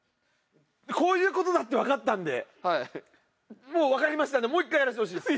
こういう事だってわかったんでもうわかりましたんでもう１回やらせてほしいです。